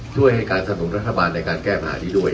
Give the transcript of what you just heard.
ช่วยให้การสนุนรัฐบาลในการแก้ปัญหานี้ด้วย